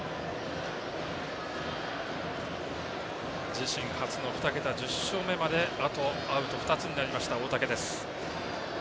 自身初の２桁１０勝目まであとアウト２つになりました大竹。